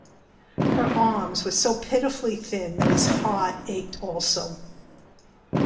Her arms were so pitifully thin that his heart ached also.